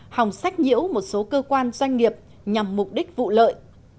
hòng sách nhiễu một số cơ quan doanh nghiệp nhằm mục đích vụ lợi